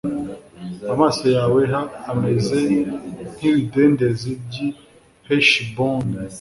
Amaso yawe h ameze nk ibidendezi by i Heshiboni